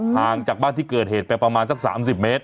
ห่างจากบ้านที่เกิดเหตุไปประมาณสัก๓๐เมตร